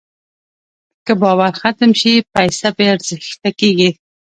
که باور ختم شي، پیسه بېارزښته کېږي.